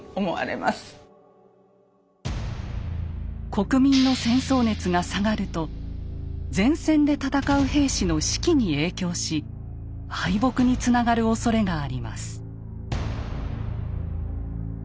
国民の戦争熱が下がると前線で戦う兵士の士気に影響し敗北につながるおそれがあります。